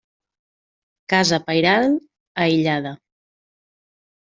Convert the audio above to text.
Casa pairal aïllada.